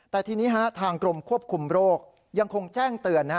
แต่ทีนี้ทางกรมควบคุมโรคยังคงแจ้งเตือน